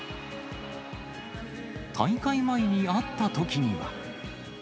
大会前に会ったときには。